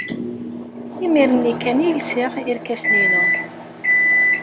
Imir-nni kan ay lsiɣ irkasen-inu.